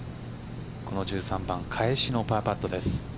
この１３番、返しのパーパット。